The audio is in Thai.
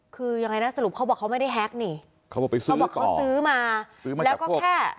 คือยังไงนะสรุปเขาบอกเขาไม่ได้แฮคนี่เขาบอกเขาซื้อมาแล้วก็แค่